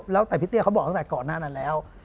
แล้วแต่พี่เตี้ยเขาบอกตั้งแต่ก่อนหน้านั้นแล้ว